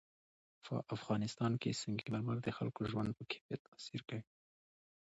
په افغانستان کې سنگ مرمر د خلکو د ژوند په کیفیت تاثیر کوي.